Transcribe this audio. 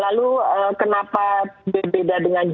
lalu kenapa berbeda dengan jepang